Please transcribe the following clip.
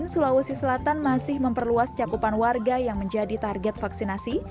sulawesi selatan masih memperluas cakupan warga yang menjadi target vaksinasi